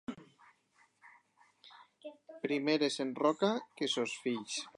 Primer és en Roca que sos fills.